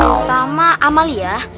pertama ama lia